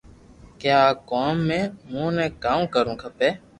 ڪي آ ڪوم مي ائو ني ڪاو ڪروُ کپي